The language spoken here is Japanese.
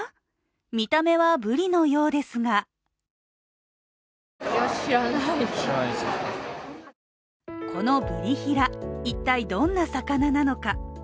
見た目はブリのようですがこのブリヒラ、一体どんな魚なのか？